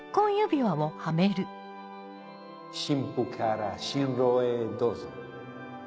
新婦から新郎へどうぞ。